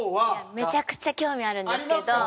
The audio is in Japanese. めちゃくちゃ興味あるんですけど。